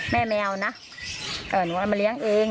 แม่ไม่เอานะหนูเอามาเลี้ยงเอง